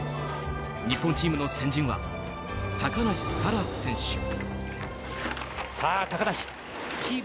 日本チームの先陣は高梨沙羅選手。